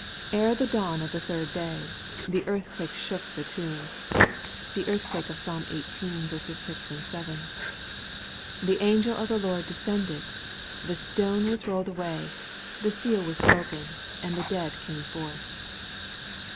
Ere the dawn of the third day, the earthquake shook the tomb (the earth quake of Ps. xviii 6, 7), the angel of the Lord descended, the stone was rolled away, the seal was broken, and the dead came forth.